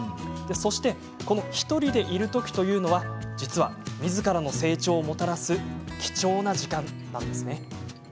そしてこの１人でいるときというのは実は、みずからの成長をもたらす貴重な時間。